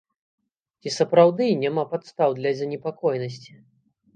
Ці сапраўды няма падстаў для занепакоенасці?